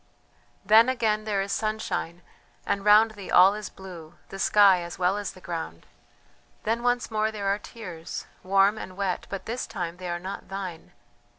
"Then again there is sunshine, and round thee all is blue, the sky as well as the ground then once more there are tears, warm and wet, but this time they are not thine....